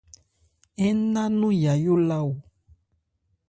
Ńná nɔn Yayó la o.